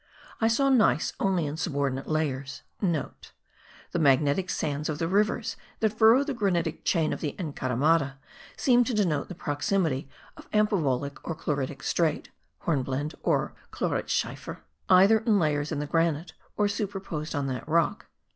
I saw gneiss only in subordinate layers;* (* The magnetic sands of the rivers that furrow the granitic chain of the Encaramada seem to denote the proximity of amphibolic or chloritic slate (hornblende or chloritschiefer), either in layers in the granite, or superposed on that rock.)